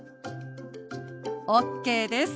ＯＫです。